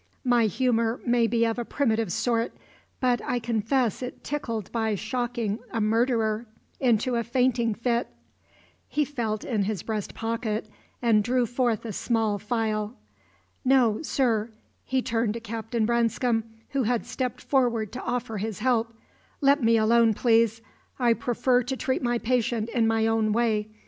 "My humour may be of a primitive sort, but I confess it tickled by shocking a murderer into a fainting fit." He felt in his breast pocket and drew forth a small phial. "No, sir," he turned to Captain Branscome, who had stepped forward to offer his help "let me alone, please. I prefer to treat my patient in my own way.